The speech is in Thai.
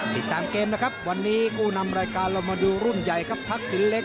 ติดตามเกมนะครับวันนี้คู่นำรายการเรามาดูรุ่นใหญ่ครับทักษิณเล็ก